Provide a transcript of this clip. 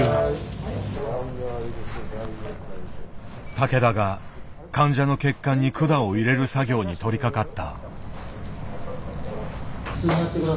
竹田が患者の血管に管を入れる作業に取りかかった。